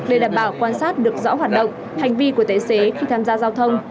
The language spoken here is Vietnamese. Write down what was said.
để đảm bảo quan sát được rõ hoạt động hành vi của tài xế khi tham gia giao thông